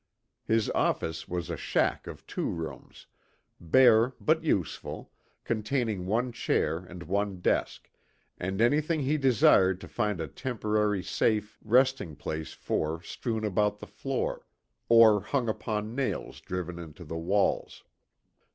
His office was a shack of two rooms, bare but useful, containing one chair and one desk, and anything he desired to find a temporary safe resting place for strewn about the floor, or hung upon nails driven into the walls.